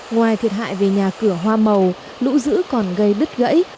ngoài thiệt hại về nhà cửa hoa màu lũ dữ còn gây đứt gãy